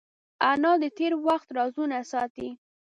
انا د تېر وخت رازونه ساتي